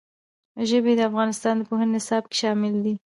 ژبې د افغانستان د پوهنې نصاب کې شامل دي.